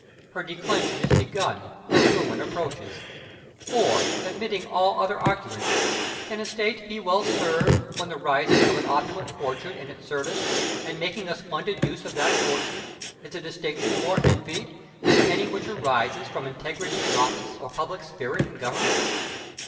Her declension is begun, her ruin approaches; for, omitting all other arguments, can a state be well served when the raising of an opulent fortune in its service, and making a splendid use of that fortune, is a distinction more envied than any which arises from integrity in office or public spirit in government?